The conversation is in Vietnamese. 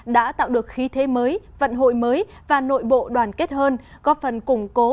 đã tạo được khí thế mới vận hội mới và nội bộ đoàn kết hơn góp phần củng cố